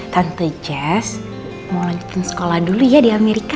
tante jazz mau lanjutin sekolah dulu ya di amerika